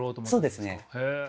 そうですね。